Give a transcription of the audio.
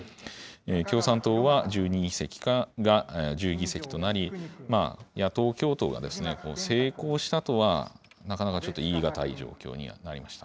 共産党は１２議席が１０議席となり、野党共闘が成功したとは、なかなかちょっと言い難い状況になっていました。